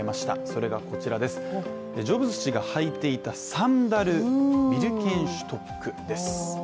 それがこちらです、ジョブズ氏がはいていたサンダル、ビルケンシュトックです。